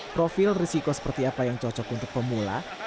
profil risiko seperti apa yang cocok untuk pemula